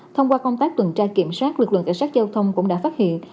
thông qua công tác tuần tra kiểm soát lực lượng cảnh sát giao thông cũng đã phát hiện